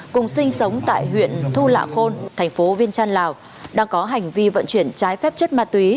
cùng sinh sống tại huyện thu lạ khôn thành phố viên trăn lào đang có hành vi vận chuyển trái phép chất ma túy